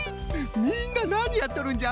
みんななにやっとるんじゃ？